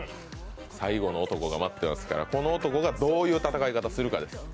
最後の男が待っていますから、この男がどういう戦い方をするかです。